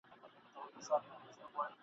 خو جاهل اولس ..